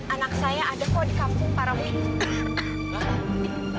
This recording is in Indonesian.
anak saya ada kok di kampung pak rohit